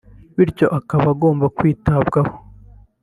bityo akaba agomba kwitabwaho